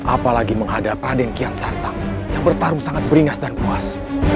apalagi menghadap raden kian santang yang bertarung sangat beringas dan puas